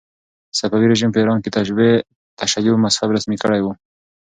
صفوي رژیم په ایران کې تشیع مذهب رسمي کړی و.